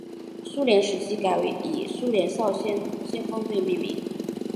苏联时期改以苏联少年先锋队命名。